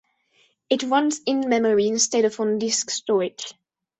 It runs in-memory, instead of on disk storage.